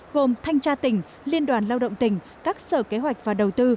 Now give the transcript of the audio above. gồm thanh tra tỉnh liên đoàn lao động tỉnh các sở kế hoạch và đầu tư